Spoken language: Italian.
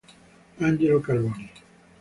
Angelo Carboni